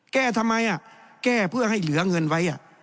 แก้ทำไมแก้เพื่อให้เหลือเงินไว้